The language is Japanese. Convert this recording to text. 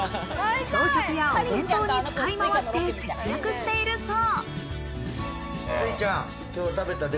朝食やお弁当に使いまわして節約しているそう。